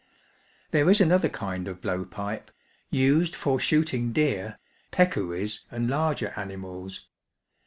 There is another kind of blow pipe, used for shooting deer, peccaries, and larger animals.